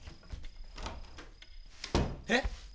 えっ？